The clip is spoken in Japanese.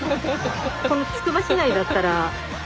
このつくば市内だったら。